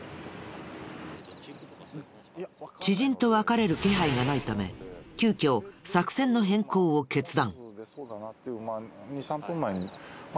知人と別れる気配がないため急きょ作戦の変更を決断。